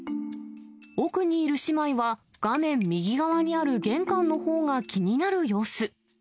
奥にいる姉妹は、画面右側にある玄関のほうが気になる様子。